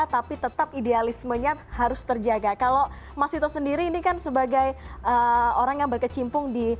tapi tetap idealismenya harus terjaga kalau mas sito sendiri ini kan sebagai orang yang berkecimpung di